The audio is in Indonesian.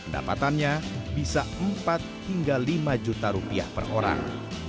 dapatannya bisa empat hingga lima juta rupiah per orang